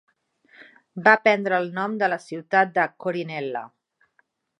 Va prendre el nom de la ciutat de Corinella.